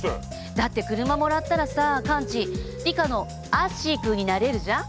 だって車もらったらさカンチリカのアッシーくんになれるじゃん。